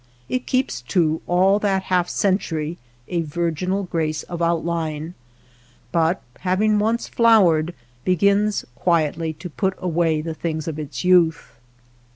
It keeps, too, all that half century, a virginal grace of outline, but having once flowered, begins quietly to put away the things of its youth.